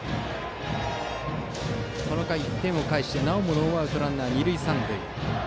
この回、１点を返して、なおもノーアウトランナー、二塁三塁。